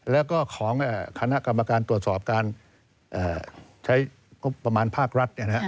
แล้วก็ของคณะกรรมการตรวจสอบการใช้งบประมาณภาครัฐ